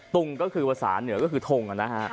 ตุงก็คือเพราะสาเหนือก็คือทง